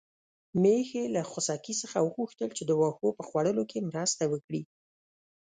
میښې له خوسکي څخه وغوښتل چې د واښو په خوړلو کې مرسته وکړي.